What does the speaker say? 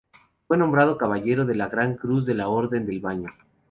Fue nombrado Caballero de la Gran Cruz de la Orden del Baño.